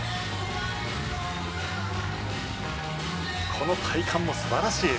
この体幹も素晴らしい。